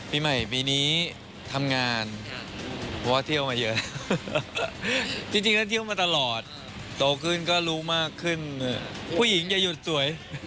ปีใหม่ปีนี้ทำงานเพราะว่าเที่ยวมาเยอะจริงก็เที่ยวมาตลอดโตขึ้นก็รู้มากขึ้นผู้หญิงอย่าหยุดสวย